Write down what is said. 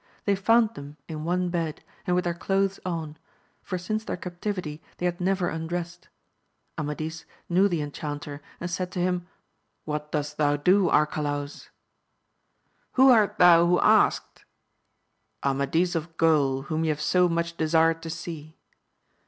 They found them in one bed, and with their cloaths on; for since their captivity they had never undressed. Amadis knew the enchanter, and said to him^ What dost thou do, Arcalaus ?— Who art thou who askest %— Amadis of Gaul, whom you have so much desired to see.